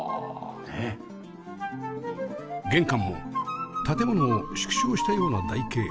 玄関も建物を縮小したような台形